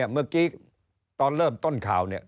เมื่อกี้ตอนเริ่มต้นข่าวเนี่ย